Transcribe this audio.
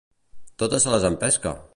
Totes se les empesca!